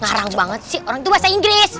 ngarang banget sih orang tua bahasa inggris